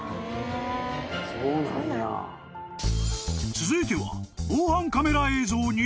［続いては］